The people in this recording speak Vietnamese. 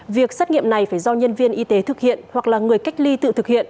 việc xét nghiệm này phải do nhân viên y tế thực hiện hoặc là người cách ly tự thực hiện